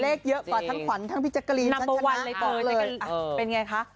เลขเยอะฝากทั้งขวัญทั้งพิจักรีทั้งชนะเป็นไงคะ